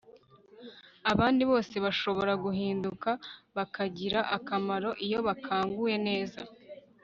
abandi bose bashobora guhinduka bakagira akamaro iyo bakanguwe neza